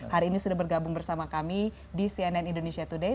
hari ini sudah bergabung bersama kami di cnn indonesia today